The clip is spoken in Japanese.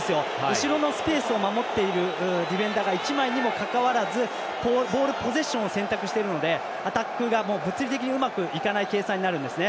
後ろのスペースを守っているディフェンダーが１枚にもかかわらずボールポゼッションを選択しているのでアタックが、物理的にうまくいかない計算になるんです。